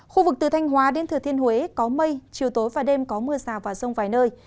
khu vực từ thanh hóa đến thừa thiên huế có mây chiều tối và đêm có mưa rào và rông vài nơi